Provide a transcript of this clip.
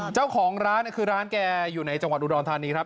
เจ้าของร้านคือร้านแกอยู่ในจังหวัดอุดรธานีครับ